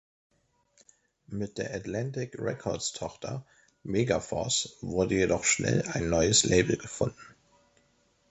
Mit der Atlantic-Records-Tochter "Megaforce" wurde jedoch schnell ein neues Label gefunden.